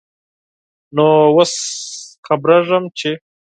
نوو اوس خبريږم ، چې ...